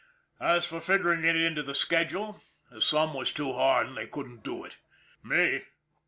As for figuring it into the schedule, the sum was too hard and they couldn't do it. Me?